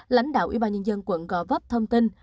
lãnh đạo y bà nhân dân quận gò vấp thông tin